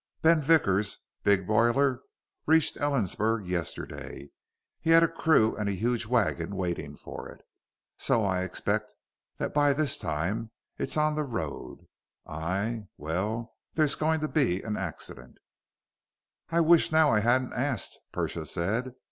Ben Vickers' big boiler reached Ellensburg yesterday. He had a crew and a huge wagon waiting for it, so I expect that by this time it's on the road. I well, there's going to be an accident." "I wish now I hadn't asked," Persia said.